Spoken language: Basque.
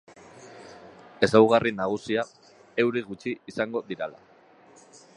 Ezaugarri nagusia, euri gutxi izango direla.